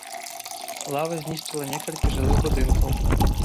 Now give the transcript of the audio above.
Лава знішчыла некалькі жылых будынкаў.